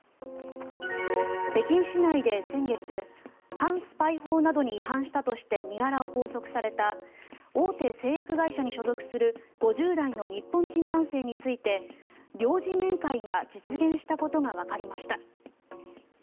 北京市内で先月反スパイ法などに違反したとして身柄を拘束された大手製薬会社に所属する５０代の日本人男性について領事面会が実現したことがわかりました。